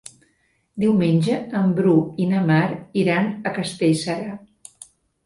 Diumenge en Bru i na Mar iran a Castellserà.